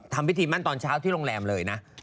ทำพิธีมั่นตอนเช้าที่โรงแรมเลยนะ